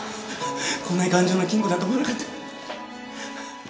こんなに頑丈な金庫だと思わなかった。